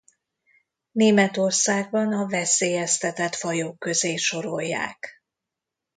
Németországban a veszélyeztetett fajok közé sorolják.